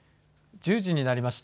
１０時になりました。